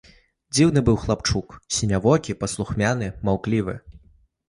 Дзіўны быў хлапчук, сінявокі, паслухмяны, маўклівы.